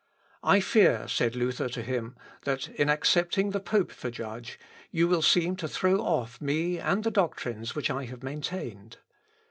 "I fear," said Luther to him, "that in accepting the pope for judge, you will seem to throw off me and the doctrines which I have maintained.